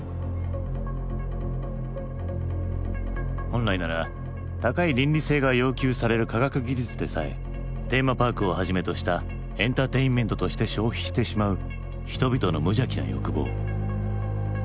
本来なら高い倫理性が要求される科学技術でさえテーマパークをはじめとしたエンターテインメントとして消費してしまう人々の無邪気な欲望。